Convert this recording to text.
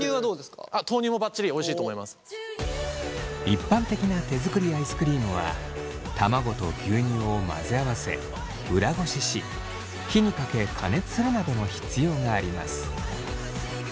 一般的な手作りアイスクリームは卵と牛乳を混ぜ合わせ裏ごしし火にかけ加熱するなどの必要があります。